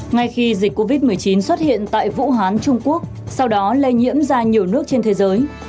ngay khi dịch covid một mươi chín xuất hiện tại vũ hán trung quốc sau đó lây nhiễm ra nhiều nước trên thế giới